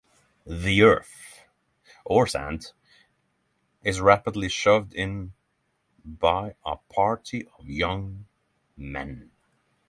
The earth or sand is rapidly shoved in by a party of young men.